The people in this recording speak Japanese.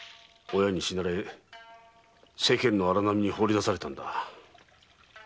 親に死なれ世間の荒波にほうり出されたんだ。